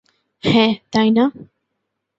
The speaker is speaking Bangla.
হ্যাঁ, তাই না?